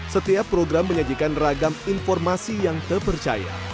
setiap program menyajikan ragam informasi yang terpercaya